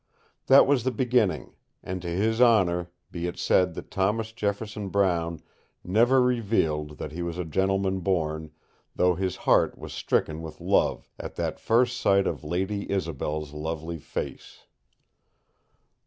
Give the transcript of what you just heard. That was the beginning, and to his honor be it said that Thomas Jefferson Brown never revealed that he was a gentleman born, though his heart was stricken with love at that first sight of Lady Isobel's lovely face.